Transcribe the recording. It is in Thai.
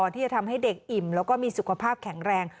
ที่จะทำให้เด็กอิ่มแล้วก็มีสุขภาพแข็งแรง